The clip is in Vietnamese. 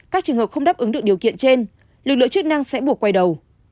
các trường hợp không đáp ứng được điều kiện trên lực lượng chức năng sẽ buộc quay đầu